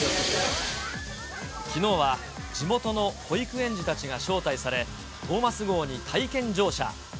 きのうは地元の保育園児たちが招待され、トーマス号に体験乗車。